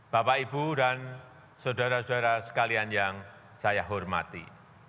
bapak ibu dan saudara saudara sekalian yang saya hormati